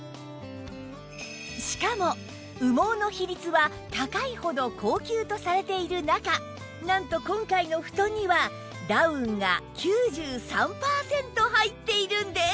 しかも羽毛の比率は高いほど高級とされている中なんと今回の布団にはダウンが９３パーセント入っているんです！